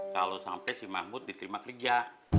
kalau sampai si mahmud diterima kerja